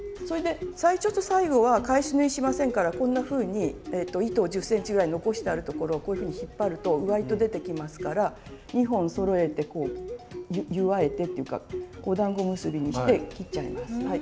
それで最初と最後は返し縫いしませんからこんなふうに糸を１０ｃｍぐらい残してあるところをこういうふうに引っ張ると上糸出てきますから２本そろえて結わえてっていうかおだんご結びにして切っちゃいます。